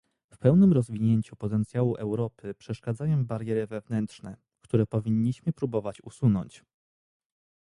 W pełnym rozwinięciu potencjału Europy przeszkadzają bariery wewnętrzne, które powinniśmy próbować usunąć